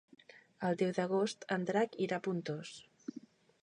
El deu d'agost en Drac irà a Pontós.